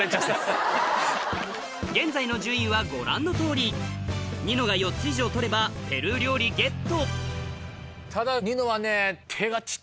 現在の順位はご覧のとおりニノが４つ以上取ればペルー料理ゲットただ。